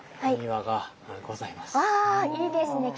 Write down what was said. わいいですね